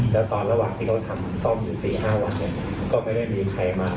แล้วตอนระหว่างที่เขาทำซ่อมอยู่๔๕วันก็ไม่ได้มีใครมา